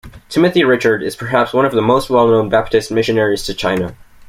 Timothy Richard is perhaps one of the most well-known Baptist missionaries to China.